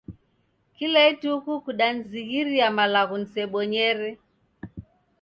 Kila ituku kudanizighiria malagho nisebonyere